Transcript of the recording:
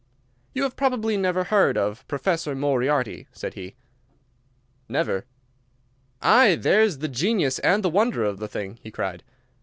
"You have probably never heard of Professor Moriarty?" said he. "Never." "Aye, there's the genius and the wonder of the thing!" he cried.